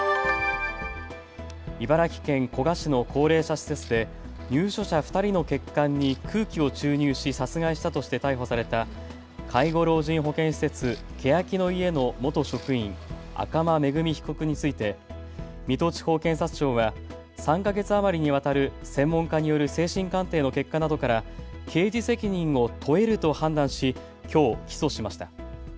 茨城県古河市の高齢者施設で入所者２人の血管に空気を注入し殺害したとして逮捕された介護老人保健施設、けやきの舎の元職員、赤間恵美被告について水戸地方検察庁は３か月余りにわたる専門家による精神鑑定の結果などから刑事責任を問えると判断しきょう起訴しました。